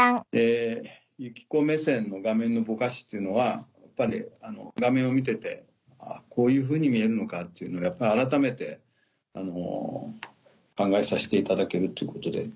ユキコ目線の画面のぼかしっていうのはやっぱり画面を見てて「あこういうふうに見えるのか」っていうのはやっぱり改めて考えさせていただけるということで。